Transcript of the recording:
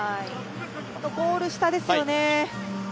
ゴール下ですよね。